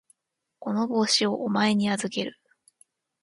この帽子をお前に預ける。